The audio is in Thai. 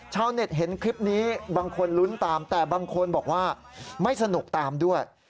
ชาวเน็ตเห็นคลิปนี้บางคนลุ้นตามแต่บางคนบอกว่าไม่สนุกตามด้วย